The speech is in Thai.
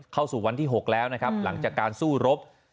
เข้าสู่วันที่๖แล้วนะครับหลังจากการสู้รบ